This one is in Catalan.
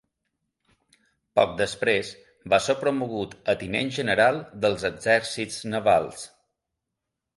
Poc després va ser promogut a Tinent-General dels exercits navals.